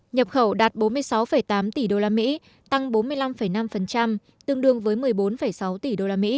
nhập khẩu đạt bốn mươi sáu tám tỷ usd tăng bốn mươi năm năm tương đương với một mươi bốn sáu tỷ usd